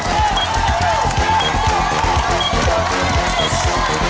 ดี